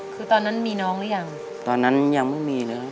คือตอนนั้นมีน้องหรือยังตอนนั้นยังไม่มีเลย